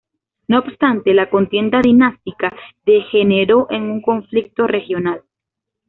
No obstante, la contienda dinástica degeneró en un conflicto regional.